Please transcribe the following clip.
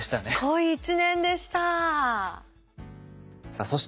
濃い１年でしたね。